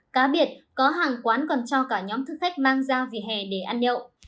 cá biệt có hàng quán còn cho cả nhóm thức khách mang ra về hè để ăn nhậu